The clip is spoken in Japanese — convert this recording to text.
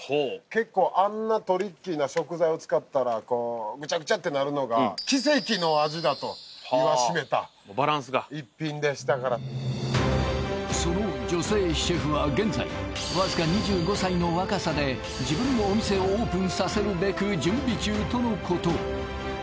結構あんなトリッキーな食材を使ったらグチャグチャってなるのが奇跡の味だと言わしめたバランスが一品でしたからその女性シェフは現在わずか２５歳の若さで自分のお店をオープンさせるべく準備中とのこと